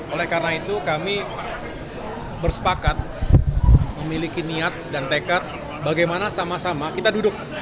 oleh karena itu kami bersepakat memiliki niat dan tekad bagaimana sama sama kita duduk